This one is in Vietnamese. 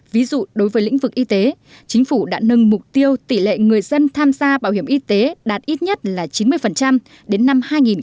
ví dụ đối với lĩnh vực y tế chính phủ đã nâng mục tiêu tỷ lệ người dân tham gia bảo hiểm y tế đạt ít nhất là chín mươi đến năm hai nghìn hai mươi